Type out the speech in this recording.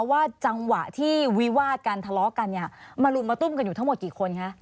ว่าจังหวะที่วิวาดกันทะเลาะกันเนี่ยมารุมมาตุ้มกันอยู่ทั้งหมดกี่คนคะ